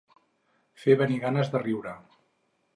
Fer venir ganes de riure.